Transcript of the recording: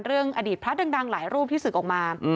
อดีตพระดังหลายรูปที่ศึกออกมา